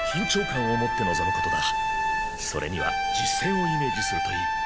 それには実戦をイメージするといい。